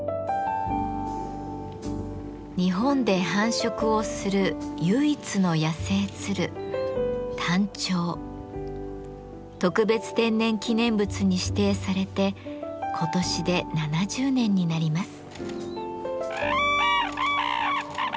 日本で繁殖をする唯一の野生鶴特別天然記念物に指定されて今年で７０年になります。